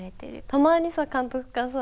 たまにさ監督からさ